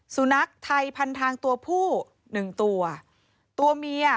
สุนัขไทยพันทางตัวผู้หนึ่งตัวตัวเมีย